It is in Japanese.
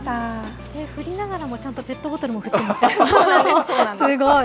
手を振りながらも、ちゃんとペットボトルも振ってますね。